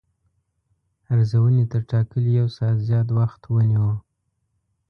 ارزونې تر ټاکلي یو ساعت زیات وخت ونیو.